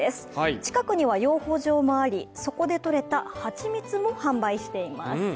近くには養蜂場もあり、そこでとれたハチミツも販売しています。